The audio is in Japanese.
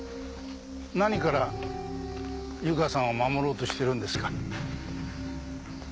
何から由香さんを守ろうとしているんですか？